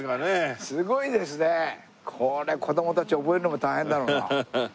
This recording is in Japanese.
これ子供たち覚えるのも大変だろうな。